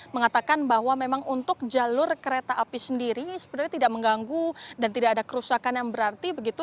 mengatakan bahwa memang untuk jalur kereta api sendiri sebenarnya tidak mengganggu dan tidak ada kerusakan yang berarti begitu